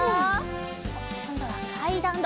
おっこんどはかいだんだ！